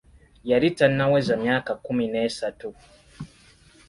Yali tannaweza myaka kkumi n'esatu.